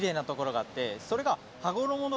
それが。